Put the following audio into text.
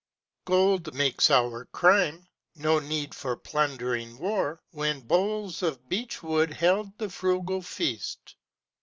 Gold makes our crime. No need for plundering war, When bowls of beech wood held the frugal feast.